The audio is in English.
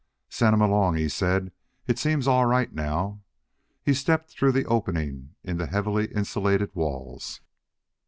"Send 'em along," he said; "it seems all right now." He stepped through the opening in the heavily insulated walls.